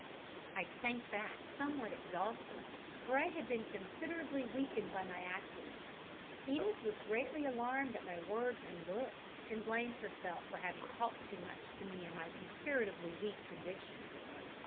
I sank back somewhat exhausted, for I had been considerably weakened by my accident. Edith was greatly alarmed at my words and looks, and blamed herself for having talked too much to me in my comparatively weak condition.